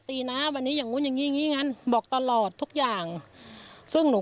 ตีนะวันนี้อย่างนู้นอย่างงี้อย่างงี้งั้นบอกตลอดทุกอย่างซึ่งหนู